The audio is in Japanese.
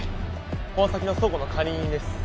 この先の倉庫の管理人です。